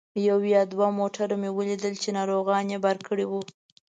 یو یا دوه موټر مې ولیدل چې ناروغان یې بار کړي وو.